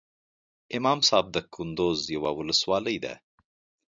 امام صاحب دکندوز یوه ولسوالۍ ده